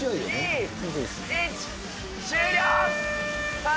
さあ。